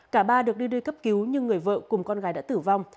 cả ba được đi đưa cấp cứu nhưng người vợ cùng con gái đã tử vong